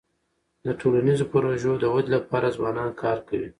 د ټولنیزو پروژو د ودی لپاره ځوانان کار کوي.